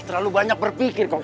terlalu banyak berpikir kong